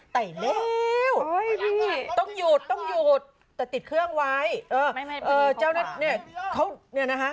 แต่เล่วต้องหยุดต้องหยุดต้องหยุดแต่ติดเครื่องไว้เออเออเจ้าเนี่ยเขาเนี่ยนะฮะ